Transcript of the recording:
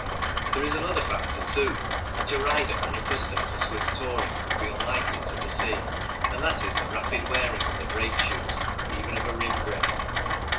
There is another factor, too, which a rider un accustomed to Swiss touring would be unlikely to foresee, and that is the rapid wearing of the brake shoes even of a rim brake.